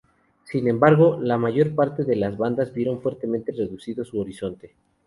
Sin embargo, la mayor parte de las bandas vieron fuertemente reducido su horizonte.